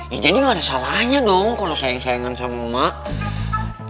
ya jadi gak ada salahnya dong kalau sayang sayangan sama emak